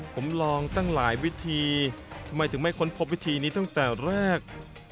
ผมลองตั้งหลายวิธีทำไมถึงไม่ค้นพบวิธีนี้ตั้งแต่แรก